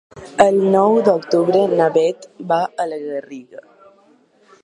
El nou d'octubre na Beth va a la Garriga.